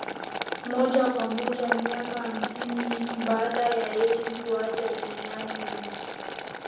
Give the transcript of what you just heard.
moja kwa moja miaka hamsini hivi baada ya Yesu kuaga dunia Ni